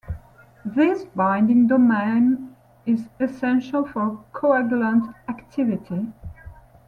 This binding domain is essential for coagulant activity.